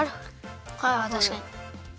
ああたしかに。